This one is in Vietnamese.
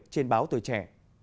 trên báo tùy trẻ